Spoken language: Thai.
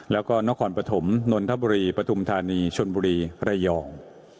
แล้วก็นครปฐมนนทบุรีปฐุมธานีชนบุรีระยอง